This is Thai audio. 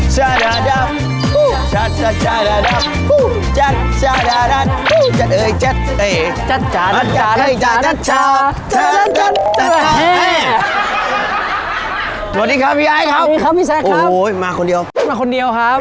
สวัสดีครับพี่ไอ้ครับโอ้โฮมาคนเดียวมาคนเดียวครับ